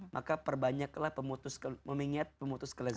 maka perbanyaklah pemutus kemengiat pemutus kemengiat